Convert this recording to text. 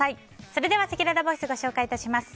それではせきららボイスご紹介致します。